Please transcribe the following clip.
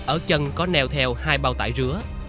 ở chân có nèo theo hai bao tải rứa